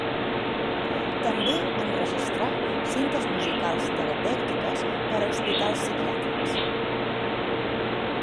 També enregistrà cintes musicals terapèutiques per a hospitals psiquiàtrics.